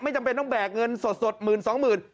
จำเป็นต้องแบกเงินสดหมื่นสองหมื่น